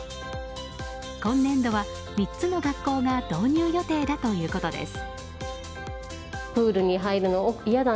今年度は３つの学校が導入予定だということです。